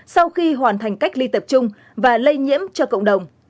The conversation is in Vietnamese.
sau khi hoàn thành cách ly tập trung và lây nhiễm cho cộng đồng